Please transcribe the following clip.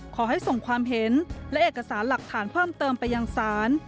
ขอให้ส่งความเห็นและเอกสารหลักฐานเพิ่มเติมไปยังศาล